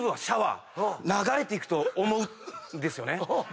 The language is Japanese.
流れていくと思うんですよね。